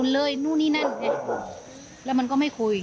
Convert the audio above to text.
แล้วมันก็ไม่คุย